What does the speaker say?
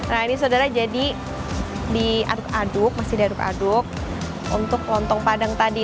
nah ini saudara jadi diaduk masih diaduk aduk untuk lontong padang tadi